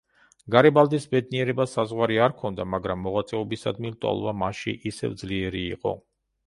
გარიბალდის ბედნიერებას საზღვარი არ ჰქონდა, მაგრამ მოღვაწეობისადმი ლტოლვა მასში ისევ ძლიერი იყო.